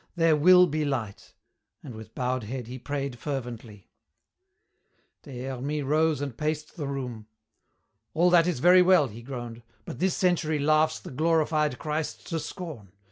There will be light," and with bowed head he prayed fervently. Des Hermies rose and paced the room. "All that is very well," he groaned, "but this century laughs the glorified Christ to scorn.